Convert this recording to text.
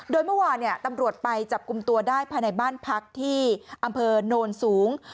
โดยเมื่อวานตำรวจไปจับกลุ่มตัวได้ภายในบ้านพักที่อำเภอโนนสูง